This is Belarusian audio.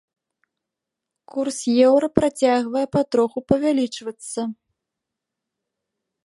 Курс еўра працягвае патроху павялічвацца.